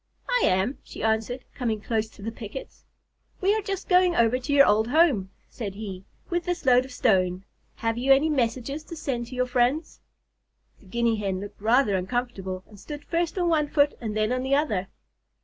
"I am," she answered, coming close to the pickets. "We are just going over to your old home," said he, "with this load of stone. Have you any messages to send to your friends?" The Guinea Hen looked rather uncomfortable, and stood first on one foot and then the other.